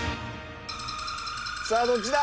さあどっちだ？